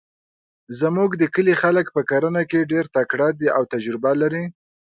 زموږ د کلي خلک په کرنه کې ډیرتکړه ده او تجربه لري